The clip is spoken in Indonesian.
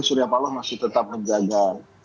surya paloh masih tetap menjaga